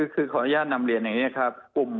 คือขออนุญาตนำเรียนอย่างนี้ครับ